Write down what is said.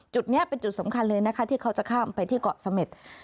จุดนี้เป็นจุดสำคัญเลยนะคะที่เขาจะข้ามไปที่เกาะเสม็ด